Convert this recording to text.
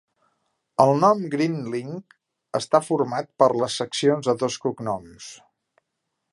El nom Grinling està format per les seccions de dos cognoms.